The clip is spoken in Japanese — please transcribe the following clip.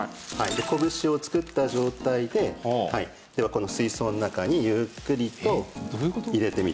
拳を作った状態でではこの水槽の中にゆっくりと入れてみてください。